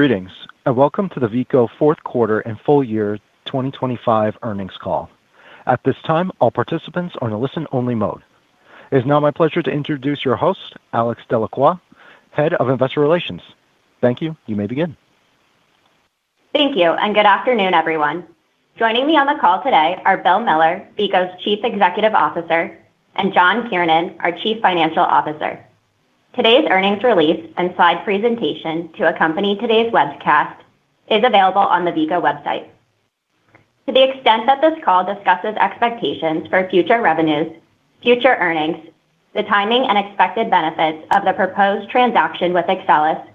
Greetings, welcome to the Veeco fourth quarter and full year 2025 earnings call. At this time, all participants are in a listen-only mode. It's now my pleasure to introduce your host, Alex Delacroix, Head of Investor Relations. Thank you. You may begin. Thank you. Good afternoon, everyone. Joining me on the call today are Bill Miller, Veeco's Chief Executive Officer, and John Kiernan, our Chief Financial Officer. Today's earnings release and slide presentation to accompany today's webcast is available on the Veeco website. To the extent that this call discusses expectations for future revenues, future earnings, the timing and expected benefits of the proposed transaction with Axcelis,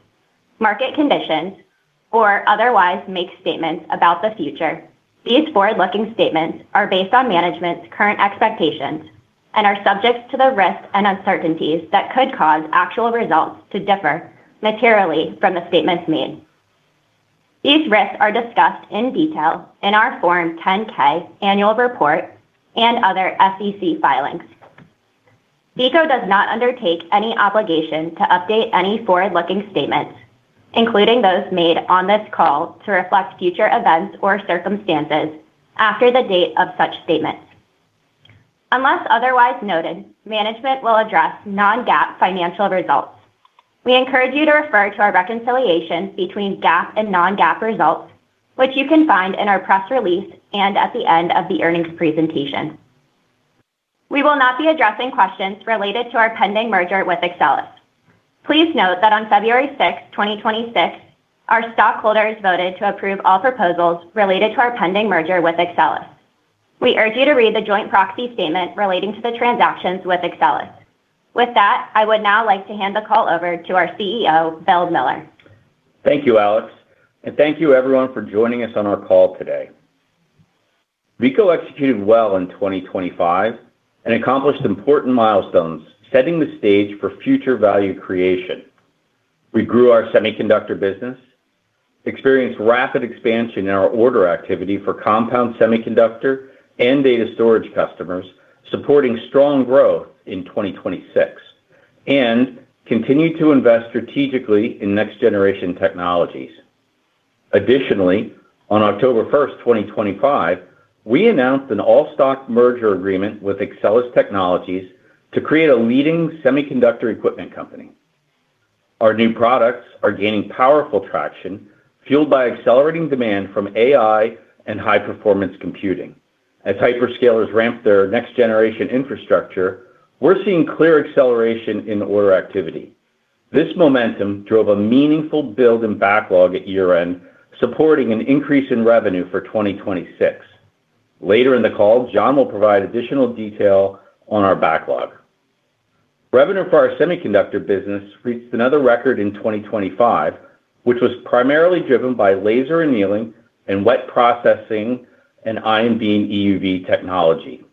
market conditions, or otherwise makes statements about the future, these forward-looking statements are based on management's current expectations and are subject to the risks and uncertainties that could cause actual results to differ materially from the statements made. These risks are discussed in detail in our Form 10-K, Annual Report, and other SEC filings. Veeco does not undertake any obligation to update any forward-looking statements, including those made on this call, to reflect future events or circumstances after the date of such statements. Unless otherwise noted, management will address non-GAAP financial results. We encourage you to refer to our reconciliation between GAAP and non-GAAP results, which you can find in our press release and at the end of the earnings presentation. We will not be addressing questions related to our pending merger with Axcelis. Please note that on February 6th, 2026, our stockholders voted to approve all proposals related to our pending merger with Axcelis. We urge you to read the joint proxy statement relating to the transactions with Axcelis. With that, I would now like to hand the call over to our CEO, Bill Miller. Thank you, Alex. Thank you everyone for joining us on our call today. Veeco executed well in 2025 and accomplished important milestones, setting the stage for future value creation. We grew our semiconductor business, experienced rapid expansion in our order activity for compound semiconductor and data storage customers, supporting strong growth in 2026, and continued to invest strategically in next-generation technologies. Additionally, on October 1, 2025, we announced an all-stock merger agreement with Axcelis Technologies to create a leading semiconductor equipment company. Our new products are gaining powerful traction, fueled by accelerating demand from AI and high-performance computing. As hyperscalers ramp their next-generation infrastructure, we're seeing clear acceleration in order activity. This momentum drove a meaningful build in backlog at year-end, supporting an increase in revenue for 2026. Later in the call, John will provide additional detail on our backlog. Revenue for our semiconductor business reached another record in 2025, which was primarily driven by laser annealing and wet processing and ion beam EUV technology.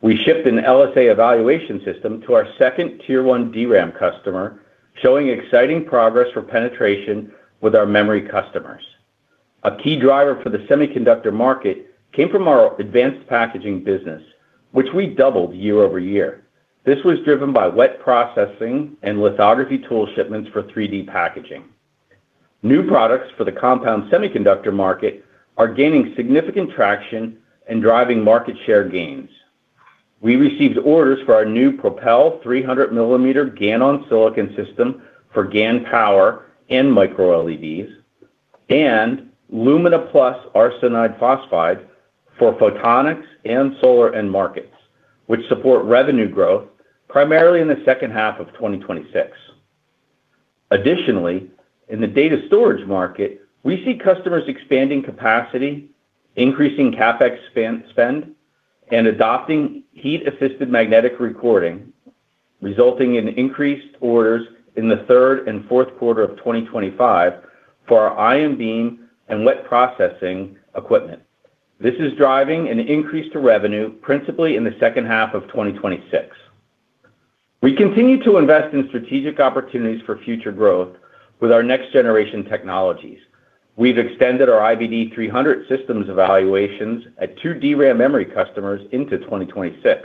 We shipped an LSA evaluation system to our second Tier 1 DRAM customer, showing exciting progress for penetration with our memory customers. A key driver for the semiconductor market came from our advanced packaging business, which we doubled year-over-year. This was driven by wet processing and lithography tool shipments for 3D packaging. New products for the compound semiconductor market are gaining significant traction and driving market share gains. We received orders for our new Propel 300mm GaN-on-Si system for GaN power MicroLEDs, and Lumina+ arsenide phosphide for photonics and solar end markets, which support revenue growth primarily in the second half of 2026. In the data storage market, we see customers expanding capacity, increasing CapEx spend, and adopting heat-assisted magnetic recording, resulting in increased orders in the third and fourth quarter of 2025 for our ion beam and wet processing equipment. This is driving an increase to revenue, principally in the second half of 2026. We continue to invest in strategic opportunities for future growth with our next-generation technologies. We've extended our IBD300 systems evaluations at 2 DRAM memory customers into 2026.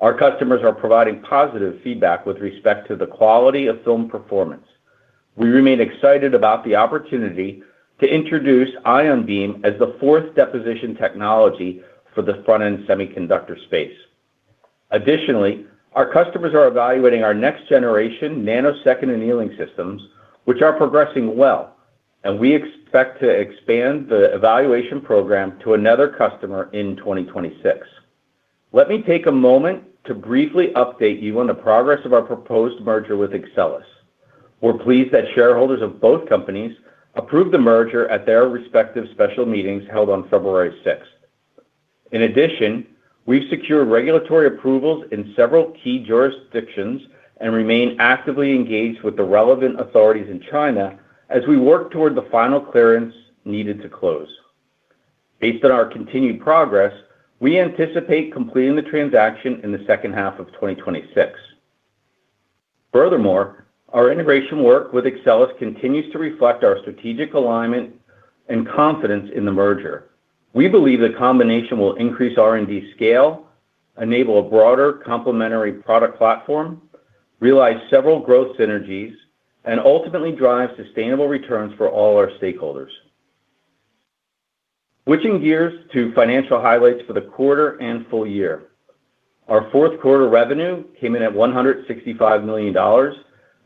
Our customers are providing positive feedback with respect to the quality of film performance. We remain excited about the opportunity to introduce ion beam as the fourth deposition technology for the front-end semiconductor space. Our customers are evaluating our next-generation nanosecond annealing systems, which are progressing well, and we expect to expand the evaluation program to another customer in 2026. Let me take a moment to briefly update you on the progress of our proposed merger with Axcelis. We're pleased that shareholders of both companies approved the merger at their respective special meetings held on February 6th. We've secured regulatory approvals in several key jurisdictions and remain actively engaged with the relevant authorities in China as we work toward the final clearance needed to close. Based on our continued progress, we anticipate completing the transaction in the second half of 2026. Our integration work with Axcelis continues to reflect our strategic alignment and confidence in the merger. We believe the combination will increase R&D scale, enable a broader complementary product platform, realize several growth synergies and ultimately drive sustainable returns for all our stakeholders. Switching gears to financial highlights for the quarter and full year. Our fourth quarter revenue came in at $165 million,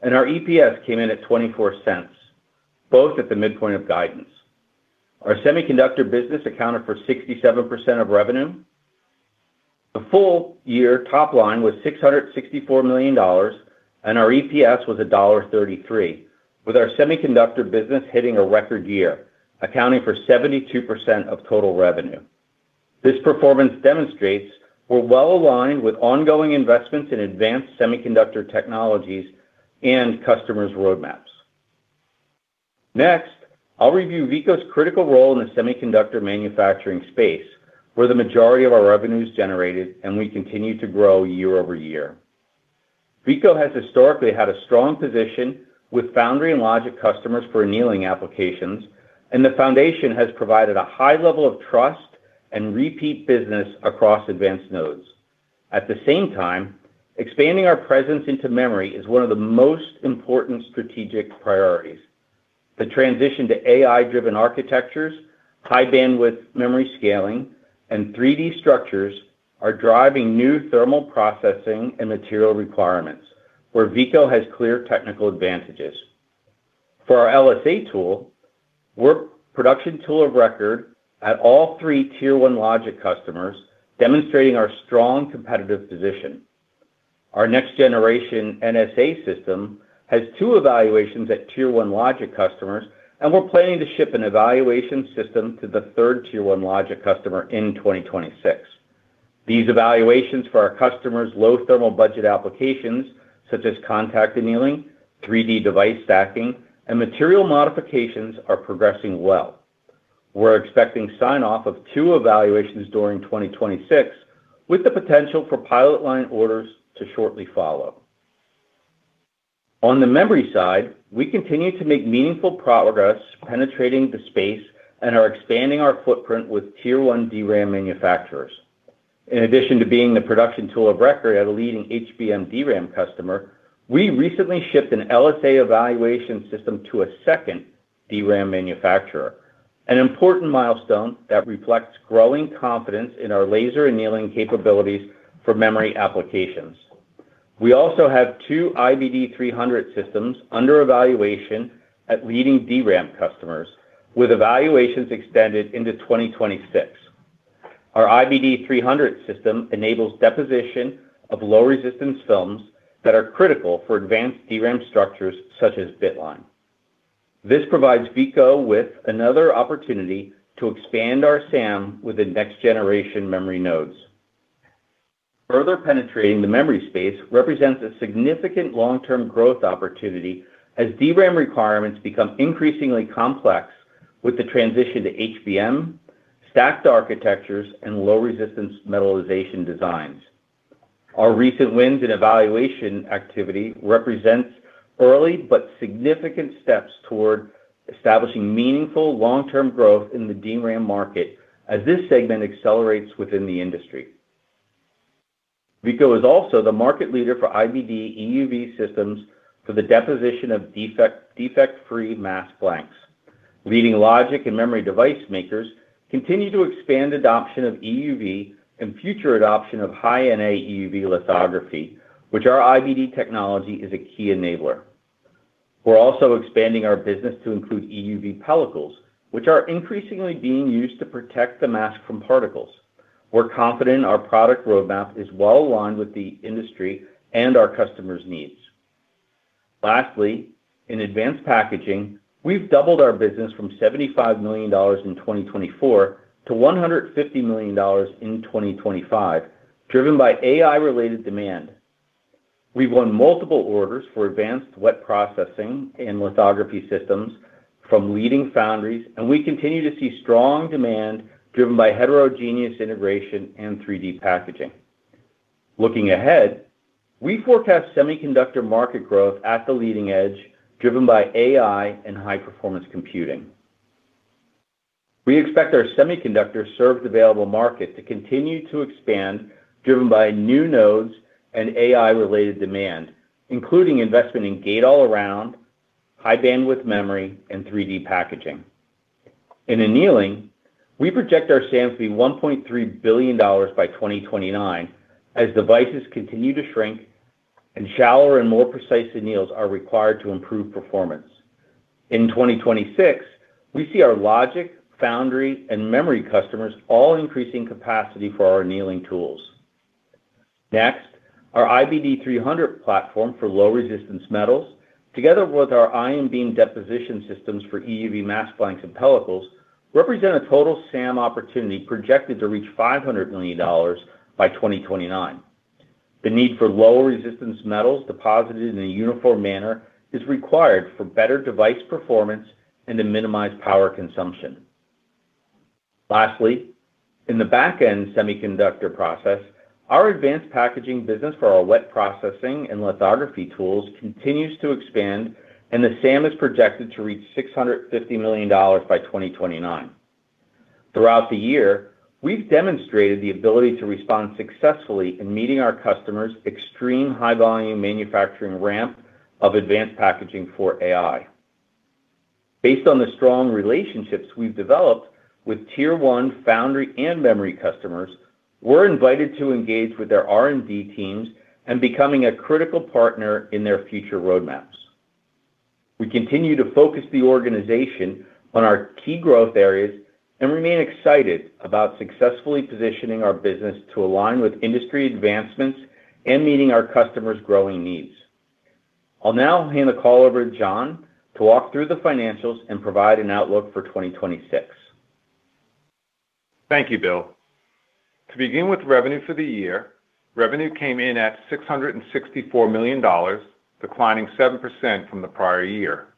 and our EPS came in at $0.24, both at the midpoint of guidance. Our semiconductor business accounted for 67% of revenue. The full year top line was $664 million, and our EPS was $1.33, with our semiconductor business hitting a record year, accounting for 72% of total revenue. Next, I'll review Veeco's critical role in the semiconductor manufacturing space, where the majority of our revenue is generated, and we continue to grow year-over-year. Veeco has historically had a strong position with foundry and logic customers for annealing applications, and the foundation has provided a high level of trust and repeat business across advanced nodes. At the same time, expanding our presence into memory is one of the most important strategic priorities. The transition to AI-driven architectures, High-Bandwidth Memory scaling, and 3D structures are driving new thermal processing and material requirements, where Veeco has clear technical advantages. For our LSA tool, we're production tool of record at all three Tier 1 logic customers, demonstrating our strong competitive position. Our next generation NSA system has two evaluations at Tier 1 logic customers. We're planning to ship an evaluation system to the third Tier 1 logic customer in 2026. These evaluations for our customers' low thermal budget applications, such as contact annealing, 3D device stacking, and material modifications, are progressing well. We're expecting sign-off of two evaluations during 2026, with the potential for pilot line orders to shortly follow. On the memory side, we continue to make meaningful progress penetrating the space and are expanding our footprint with Tier 1 DRAM manufacturers. In addition to being the production tool of record at a leading HBM DRAM customer, we recently shipped an LSA evaluation system to a second DRAM manufacturer, an important milestone that reflects growing confidence in our laser annealing capabilities for memory applications. We also have two IBD300 systems under evaluation at leading DRAM customers, with evaluations extended into 2026. Our IBD300 system enables deposition of low-resistance films that are critical for advanced DRAM structures, such as bitline. This provides Veeco with another opportunity to expand our SAM with the next generation memory nodes. Further penetrating the memory space represents a significant long-term growth opportunity as DRAM requirements become increasingly complex with the transition to HBM, stacked architectures, and low-resistance metallization designs. Our recent wins and evaluation activity represents early but significant steps toward establishing meaningful long-term growth in the DRAM market as this segment accelerates within the industry. Veeco is also the market leader for IBD EUV systems for the deposition of defect-free mask blanks. Leading logic and memory device makers continue to expand adoption of EUV and future adoption of high-NA EUV lithography, which our IBD technology is a key enabler. We're also expanding our business to include EUV pellicles, which are increasingly being used to protect the mask from particles. We're confident our product roadmap is well aligned with the industry and our customers' needs. Lastly, in advanced packaging, we've doubled our business from $75 million in 2024 to $150 million in 2025, driven by AI-related demand. We've won multiple orders for advanced wet processing and lithography systems from leading foundries. We continue to see strong demand driven by heterogeneous integration and 3D packaging. Looking ahead, we forecast semiconductor market growth at the leading edge, driven by AI and high-performance computing. We expect our semiconductor served available market to continue to expand, driven by new nodes and AI-related demand, including investment in gate-all-around, High-Bandwidth Memory, and 3D packaging. In annealing, we project our SAM to be $1.3 billion by 2029, as devices continue to shrink and shallower and more precise anneals are required to improve performance. In 2026, we see our logic, foundry, and memory customers all increasing capacity for our annealing tools. Next, our IBD300 platform for low-resistance metals, together with our ion beam deposition systems for EUV mask blanks and pellicles, represent a total SAM opportunity projected to reach $500 million by 2029. The need for low-resistance metals deposited in a uniform manner is required for better device performance and to minimize power consumption. Lastly, in the back-end semiconductor process, our advanced packaging business for our wet processing and lithography tools continues to expand, and the SAM is projected to reach $650 million by 2029. Throughout the year, we've demonstrated the ability to respond successfully in meeting our customers' extreme high-volume manufacturing ramp of advanced packaging for AI. Based on the strong relationships we've developed with Tier 1 foundry and memory customers, we're invited to engage with their R&D teams and becoming a critical partner in their future roadmaps. We continue to focus the organization on our key growth areas and remain excited about successfully positioning our business to align with industry advancements and meeting our customers' growing needs. I'll now hand the call over to John to walk through the financials and provide an outlook for 2026. Thank you, Bill. Revenue for the year, revenue came in at $664 million, declining 7% from the prior year.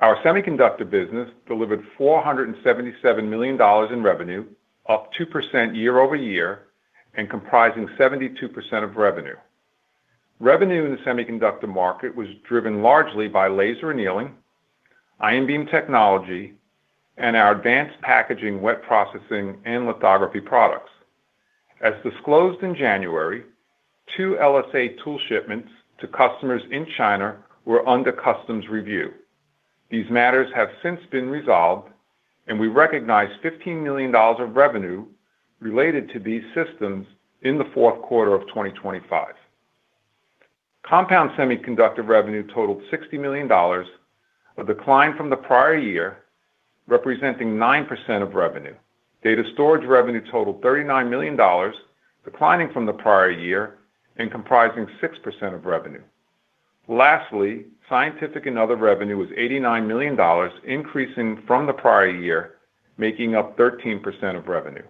Our semiconductor business delivered $477 million in revenue, up 2% year-over-year and comprising 72% of revenue. Revenue in the semiconductor market was driven largely by laser annealing, ion beam technology, and our advanced packaging, wet processing, and lithography products. As disclosed in January, two LSA tool shipments to customers in China were under customs review. These matters have since been resolved, we recognized $15 million of revenue related to these systems in the fourth quarter of 2025. Compound semiconductor revenue totaled $60 million, a decline from the prior year, representing 9% of revenue. Data storage revenue totaled $39 million, declining from the prior year and comprising 6% of revenue. Lastly, scientific and other revenue was $89 million, increasing from the prior year, making up 13% of revenue.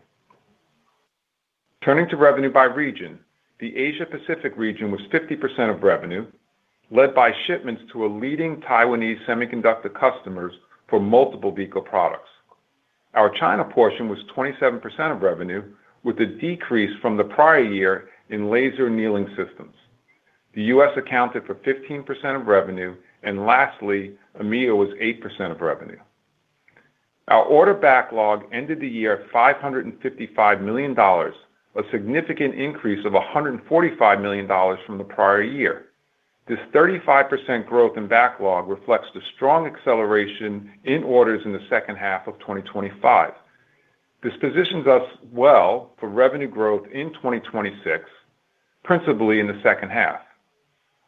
Turning to revenue by region, the Asia Pacific region was 50% of revenue, led by shipments to a leading Taiwanese semiconductor customers for multiple Veeco products. Our China portion was 27% of revenue, with a decrease from the prior year in laser annealing systems. The U.S. accounted for 15% of revenue, and lastly, EMEA was 8% of revenue. Our order backlog ended the year at $555 million, a significant increase of $145 million from the prior year. This 35% growth in backlog reflects the strong acceleration in orders in the second half of 2025. This positions us well for revenue growth in 2026, principally in the second half.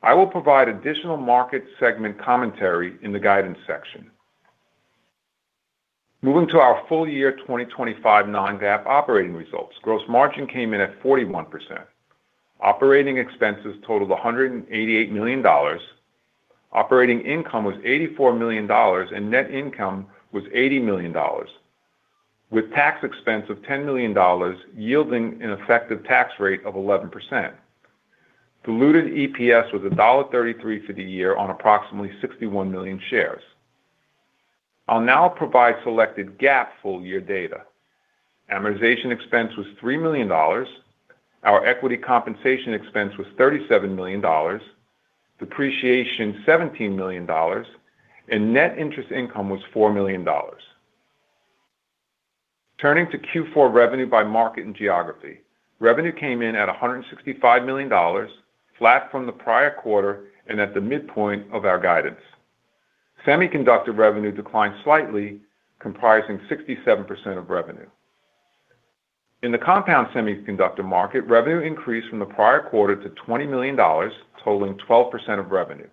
I will provide additional market segment commentary in the guidance section. Moving to our full year 2025 non-GAAP operating results. Gross margin came in at 41%. Operating expenses totaled $188 million. Operating income was $84 million, and net income was $80 million, with tax expense of $10 million, yielding an effective tax rate of 11%. Diluted EPS was $1.33 for the year on approximately 61 million shares. I'll now provide selected GAAP full year data. Amortization expense was $3 million. Our equity compensation expense was $37 million. Depreciation, $17 million, and net interest income was $4 million. Turning to Q4 revenue by market and geography. Revenue came in at $165 million, flat from the prior quarter and at the midpoint of our guidance. Semiconductor revenue declined slightly, comprising 67% of revenue. In the compound semiconductor market, revenue increased from the prior quarter to $20 million, totaling 12% of revenue.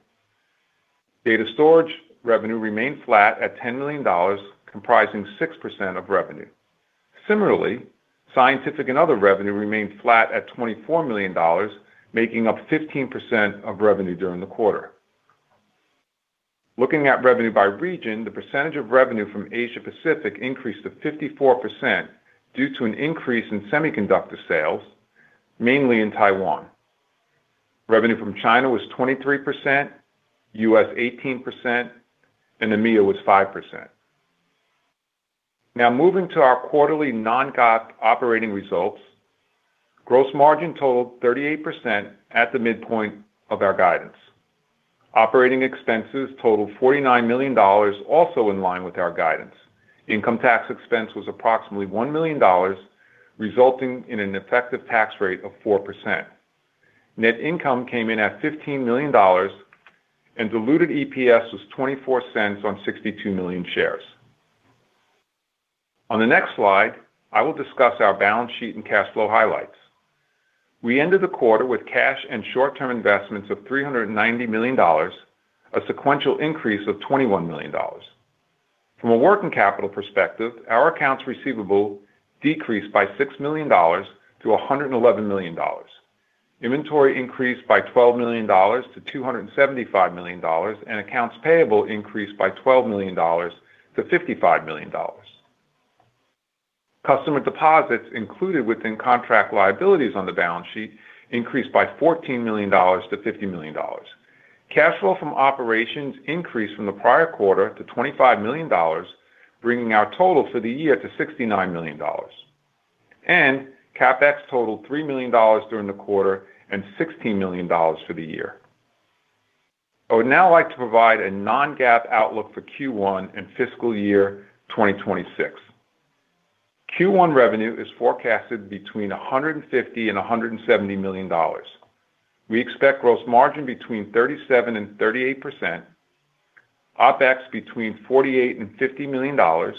Data storage revenue remained flat at $10 million, comprising 6% of revenue. Similarly, scientific and other revenue remained flat at $24 million, making up 15% of revenue during the quarter. Looking at revenue by region, the percentage of revenue from Asia Pacific increased to 54% due to an increase in semiconductor sales, mainly in Taiwan. Revenue from China was 23%, US, 18%, and EMEA was 5%. Moving to our quarterly non-GAAP operating results. Gross margin totaled 38% at the midpoint of our guidance. OpEx totaled $49 million, also in line with our guidance. Income tax expense was approximately $1 million, resulting in an effective tax rate of 4%. Net income came in at $15 million. Diluted EPS was $0.24 on 62 million shares. On the next slide, I will discuss our balance sheet and cash flow highlights. We ended the quarter with cash and short-term investments of $390 million, a sequential increase of $21 million. From a working capital perspective, our accounts receivable decreased by $6 million to $111 million. Inventory increased by $12 million to $275 million. Accounts payable increased by $12 million to $55 million. Customer deposits included within contract liabilities on the balance sheet increased by $14 million to $50 million. Cash flow from operations increased from the prior quarter to $25 million, bringing our total for the year to $69 million. CapEx totaled $3 million during the quarter and $16 million for the year. I would now like to provide a non-GAAP outlook for Q1 and fiscal year 2026. Q1 revenue is forecasted between $150 million-$170 million. We expect gross margin between 37% and 38%, OpEx between $48 million-$50 million,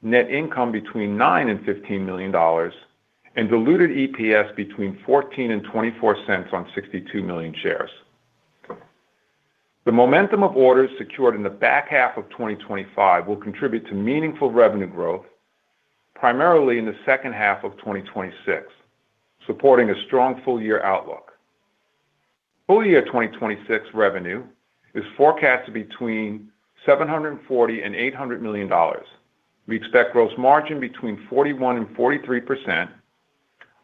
net income between $9 million-$15 million, and diluted EPS between $0.14-$0.24 on 62 million shares. The momentum of orders secured in the back half of 2025 will contribute to meaningful revenue growth, primarily in the second half of 2026, supporting a strong full year outlook. Full year 2026 revenue is forecasted between $740 million-$800 million. We expect gross margin between 41%-43%,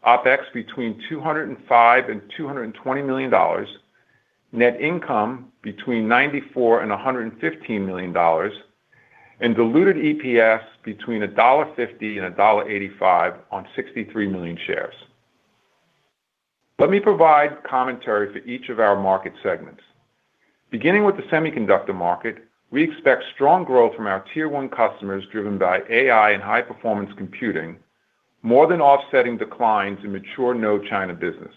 OpEx between $205 million-$220 million, net income between $94 million-$115 million, and diluted EPS between $1.50-$1.85 on 63 million shares. Let me provide commentary for each of our market segments. Beginning with the semiconductor market, we expect strong growth from our Tier 1 customers, driven by AI and high-performance computing, more than offsetting declines in mature node China business.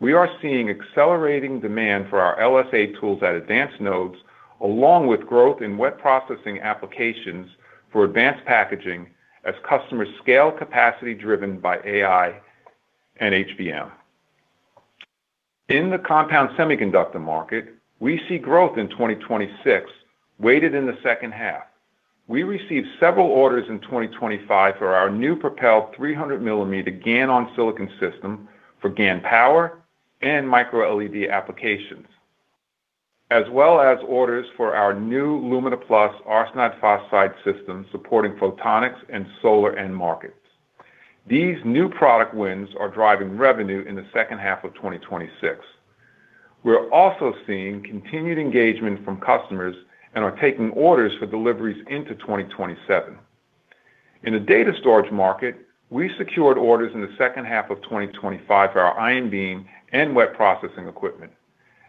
We are seeing accelerating demand for our LSA tools at advanced nodes, along with growth in wet processing applications for advanced packaging as customers scale capacity driven by AI and HBM. In the compound semiconductor market, we see growth in 2026, weighted in the second half. We received several orders in 2025 for our new Propel 300mm GaN-on-Silicon system for GaN power and MicroLED applications, as well as orders for our new Lumina+ arsenide phosphide system, supporting photonics and solar end markets. These new product wins are driving revenue in the second half of 2026. We're also seeing continued engagement from customers and are taking orders for deliveries into 2027. In the data storage market, we secured orders in the second half of 2025 for our ion beam and wet processing equipment.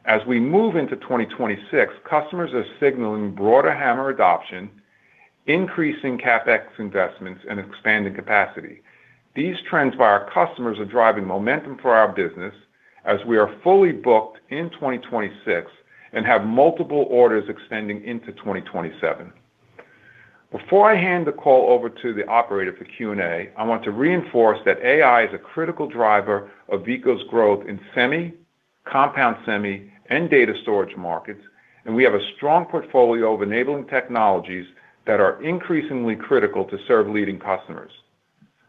As we move into 2026, customers are signaling broader HAMR adoption, increasing CapEx investments, and expanding capacity. These trends by our customers are driving momentum for our business as we are fully booked in 2026 and have multiple orders extending into 2027. Before I hand the call over to the operator for Q&A, I want to reinforce that AI is a critical driver of Veeco's growth in semi, compound semi, and data storage markets, and we have a strong portfolio of enabling technologies that are increasingly critical to serve leading customers.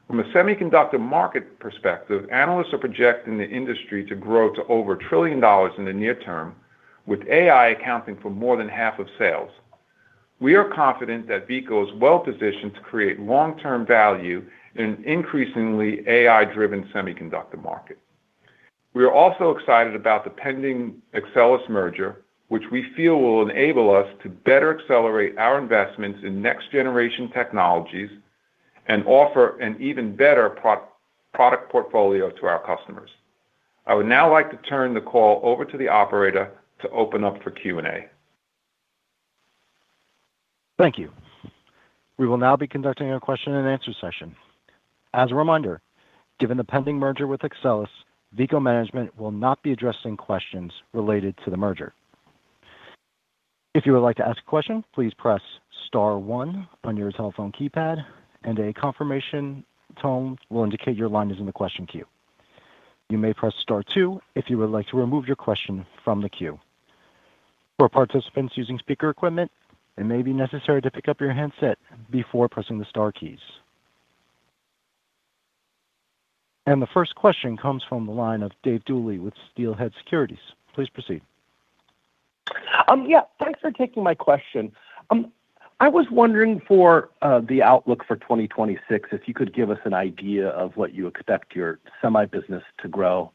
From a semiconductor market perspective, analysts are projecting the industry to grow to over $1 trillion in the near term, with AI accounting for more than half of sales. We are confident that Veeco is well-positioned to create long-term value in an increasingly AI-driven semiconductor market. We are also excited about the pending Axcelis merger, which we feel will enable us to better accelerate our investments in next-generation technologies and offer an even better product portfolio to our customers. I would now like to turn the call over to the operator to open up for Q&A. Thank you. We will now be conducting a question-and-answer session. As a reminder, given the pending merger with Axcelis, Veeco management will not be addressing questions related to the merger. If you would like to ask a question, please press star one on your telephone keypad, and a confirmation tone will indicate your line is in the question queue. You may press star two if you would like to remove your question from the queue. For participants using speaker equipment, it may be necessary to pick up your handset before pressing the star keys. The first question comes from the line of David Duley with Steelhead Securities LLC. Please proceed. Yeah, thanks for taking my question. I was wondering for the outlook for 2026, if you could give us an idea of what you expect your semi business to grow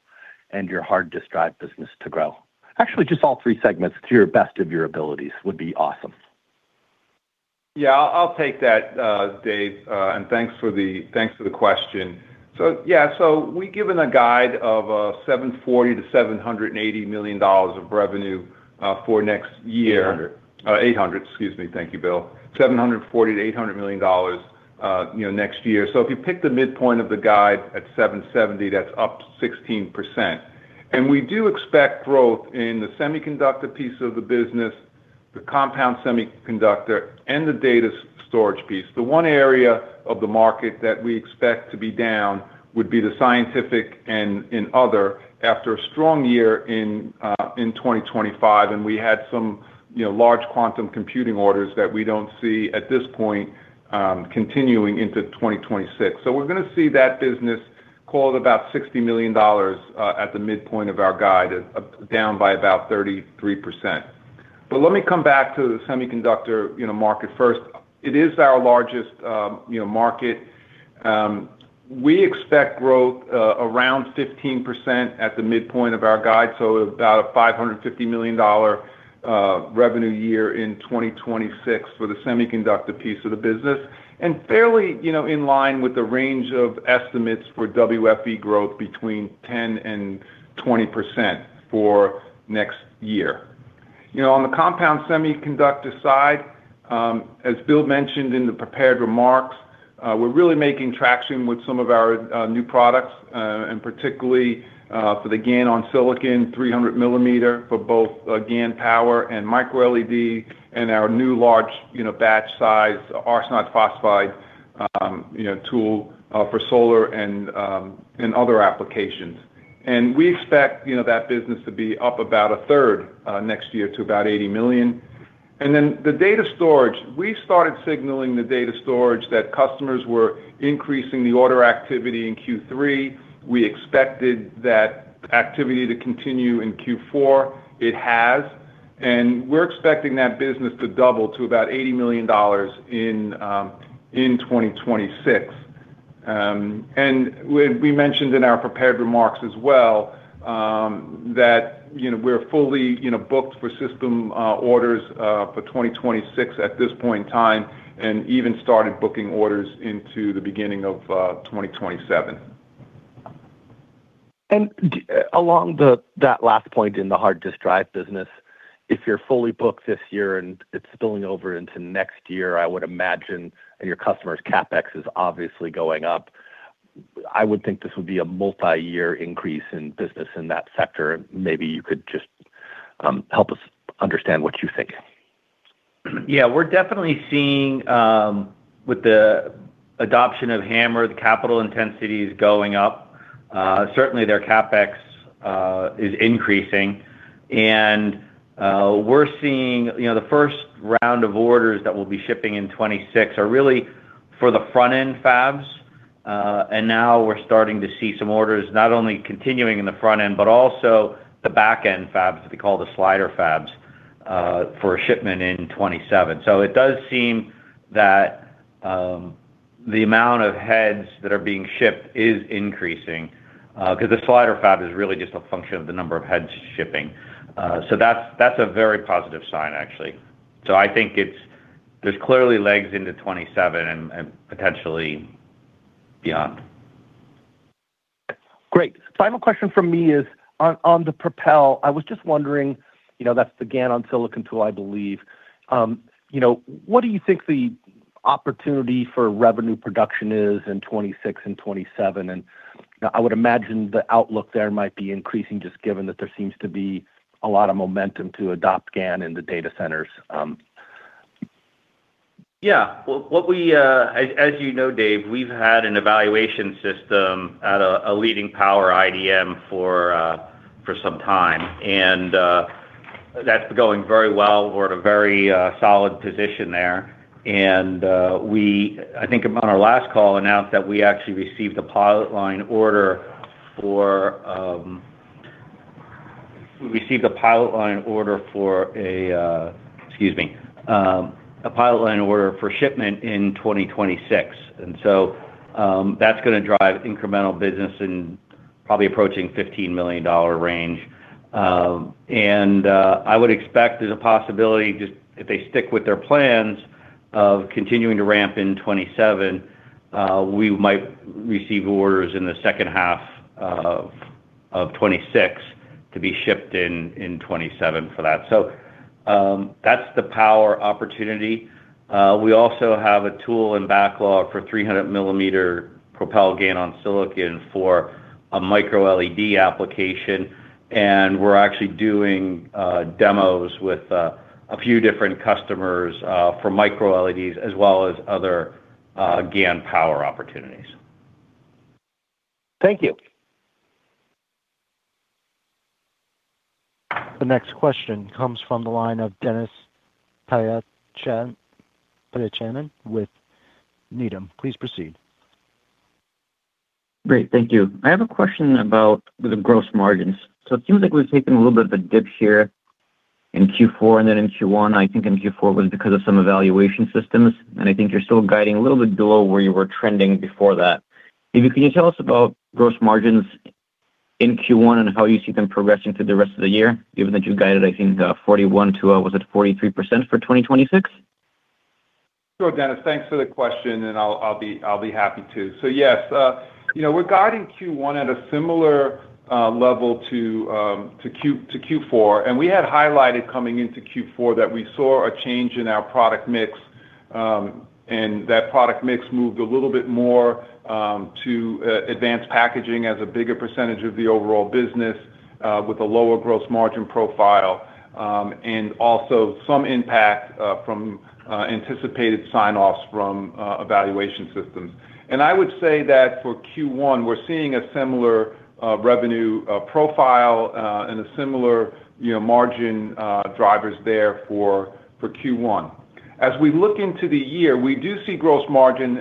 and your hard disk drive business to grow. Actually, just all three segments to your best of your abilities would be awesome. Yeah, I'll take that, David, and thanks for the question. Yeah, we've given a guide of $740 million-$780 million of revenue for next year. $800. $800. Excuse me. Thank you, Bill. $740 million-$800 million, you know, next year. If you pick the midpoint of the guide at $770, that's up 16%. We do expect growth in the semiconductor piece of the business, the compound semiconductor, and the data storage piece. The one area of the market that we expect to be down would be the scientific and other, after a strong year in 2025, and we had some, you know, large quantum computing orders that we don't see at this point, continuing into 2026. We're going to see that business call it about $60 million, at the midpoint of our guide, down by about 33%. Let me come back to the semiconductor, you know, market first. It is our largest, you know, market. We expect growth around 15% at the midpoint of our guide, so about a $550 million revenue year in 2026 for the semiconductor piece of the business, and fairly, you know, in line with the range of estimates for WFE growth between 10%-20% for next year. You know, on the compound semiconductor side, as Bill mentioned in the prepared remarks, we're really making traction with some of our new products, and particularly, for the GaN-on-Si, 300 millimeter for both GaN Power and MicroLED, and our new large, you know, batch size, arsenide phosphide, you know, tool, for solar and other applications. We expect, you know, that business to be up about a third next year to about $80 million. The data storage, we started signaling the data storage that customers were increasing the order activity in Q3. We expected that activity to continue in Q4. It has, and we're expecting that business to double to about $80 million in 2026. We mentioned in our prepared remarks as well that, you know, we're fully, you know, booked for system orders for 2026 at this point in time, and even started booking orders into the beginning of 2027. Along the, that last point in the hard disk drive business, if you're fully booked this year and it's spilling over into next year, I would imagine your customers' CapEx is obviously going up. I would think this would be a multi-year increase in business in that sector. Maybe you could just help us understand what you're thinking. We're definitely seeing, with the adoption of HAMR, the capital intensity is going up. Certainly their CapEx is increasing, and we're seeing, you know, the first round of orders that we'll be shipping in 2026 are really for the front-end fabs, and now we're starting to see some orders, not only continuing in the front end, but also the back-end fabs, we call the slider fabs, for a shipment in 2027. It does seem that the amount of heads that are being shipped is increasing, 'cause the slider fab is really just a function of the number of heads shipping. That's a very positive sign, actually. I think it's there's clearly legs into 2027 and potentially beyond. Great. Final question from me is on the Propel. I was just wondering, you know, that's the GaN-on-Silicon tool, I believe. You know, what do you think the opportunity for revenue production is in 2026 and 2027? I would imagine the outlook there might be increasing, just given that there seems to be a lot of momentum to adopt GaN in the data centers. Yeah. Well, what we. As you know, David, we've had an evaluation system at a leading power IDM for some time, and that's going very well. We're at a very solid position there, and we, I think on our last call, announced that we actually received a pilot line order for. We received a pilot line order for a, excuse me, a pilot line order for shipment in 2026. That's gonna drive incremental business and probably approaching $15 million range. And I would expect there's a possibility, just if they stick with their plans of continuing to ramp in 2027, we might receive orders in the second half of 2026 to be shipped in 2027 for that. That's the power opportunity. We also have a tool in backlog for 300 millimeter Propel GaN-on-Silicon for a MicroLED application. We're actually doing demos with a few different customers for MicroLEDs, as well as other GaN power opportunities. Thank you. The next question comes from the line of Denis Pyatchanin with Needham. Please proceed. Great, thank you. I have a question about the gross margins. It seems like we've taken a little bit of a dip here in Q4 and then in Q1. I think in Q4, it was because of some evaluation systems, and I think you're still guiding a little bit below where you were trending before that. Maybe can you tell us about gross margins in Q1 and how you see them progressing through the rest of the year, given that you guided, I think, 41%-43% for 2026? Sure, Denis, thanks for the question. I'll be happy to. Yes, you know, we're guiding Q1 at a similar level to Q4, and we had highlighted coming into Q4 that we saw a change in our product mix, and that product mix moved a little bit more to advanced packaging as a bigger percentage of the overall business with a lower gross margin profile, and also some impact from anticipated sign-offs from evaluation systems. I would say that for Q1, we're seeing a similar revenue profile, and a similar, you know, margin drivers there for Q1. As we look into the year, we do see gross margin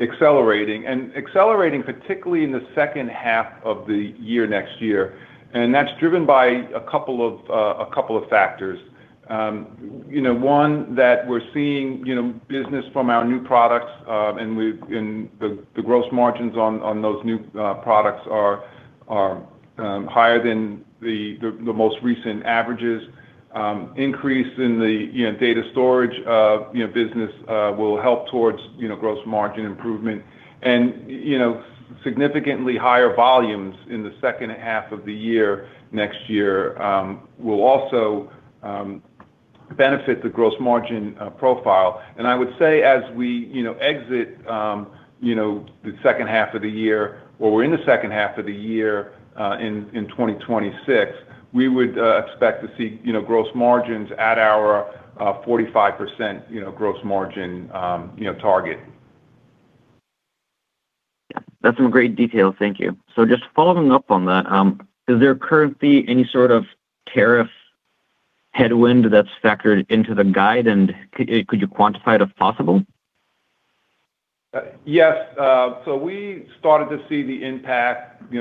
accelerating particularly in the second half of the year next year. That's driven by a couple of factors. You know, one, that we're seeing, you know, business from our new products, and the gross margins on those new products are higher than the most recent averages. Increase in the, you know, data storage, you know, business, will help towards, you know, gross margin improvement. You know, significantly higher volumes in the second half of the year, next year, will also benefit the gross margin profile. I would say as we, you know, exit, you know, the second half of the year or we're in the second half of the year, in 2026, we would expect to see, you know, gross margins at our 45%, you know, gross margin, you know, target. That's some great details. Thank you. Just following up on that, is there currently any sort of tariff headwind that's factored into the guide? Could you quantify it, if possible? Yes. We started to see the impact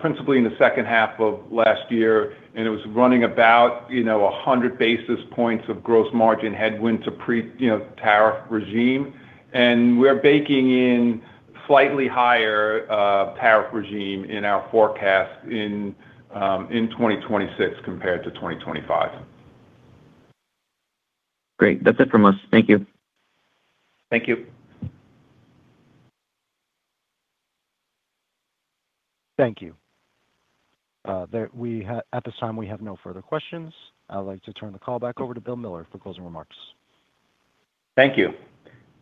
principally in the second half of last year. It was running about 100 basis points of gross margin headwind to pre tariff regime. We're baking in slightly higher tariff regime in our forecast in 2026 compared to 2025. Great. That's it from us. Thank you. Thank you. Thank you. At this time, we have no further questions. I'd like to turn the call back over to Bill Miller for closing remarks. Thank you.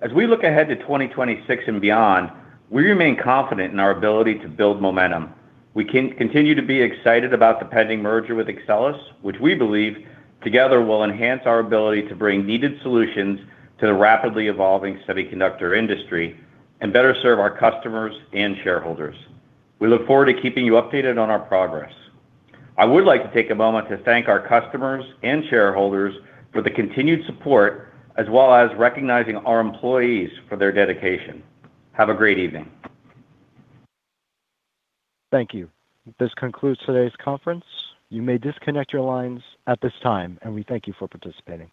As we look ahead to 2026 and beyond, we remain confident in our ability to build momentum. We continue to be excited about the pending merger with Axcelis, which we believe together will enhance our ability to bring needed solutions to the rapidly evolving semiconductor industry and better serve our customers and shareholders. We look forward to keeping you updated on our progress. I would like to take a moment to thank our customers and shareholders for the continued support, as well as recognizing our employees for their dedication. Have a great evening. Thank you. This concludes today's conference. You may disconnect your lines at this time. We thank you for participating.